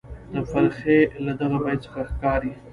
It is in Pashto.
د فرخي له دغه بیت څخه ښکاري،